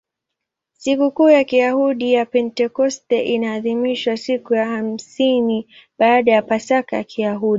Sikukuu ya Kiyahudi ya Pentekoste inaadhimishwa siku ya hamsini baada ya Pasaka ya Kiyahudi.